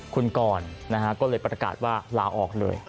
คุณกรก็เลยประกาศว่าลาออกเลย